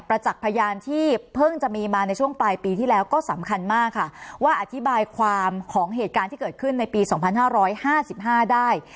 ประจักษ์พยานที่เพิ่งจะมีมาในช่วงปลายปีที่แล้วก็สำคัญมากค่ะว่าอธิบายความของเหตุการณ์ที่เกิดขึ้นในปีสองพันห้าร้อยห้าสิบห้าได้